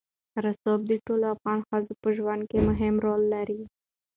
رسوب د ټولو افغان ښځو په ژوند کې هم رول لري.